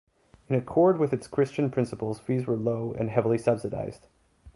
In accord with its Christian principles, fees were low and heavily subsidised.